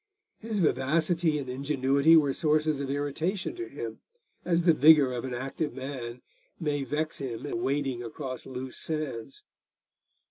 His vivacity and ingenuity were sources of irritation to him, as the vigour of an active man may vex him in wading across loose sands.